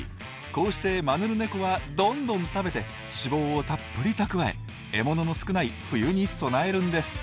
こうしてマヌルネコはどんどん食べて脂肪をたっぷり蓄え獲物の少ない冬に備えるんです。